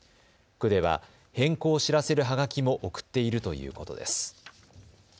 区では変更を知らせるはがきを送っているということです。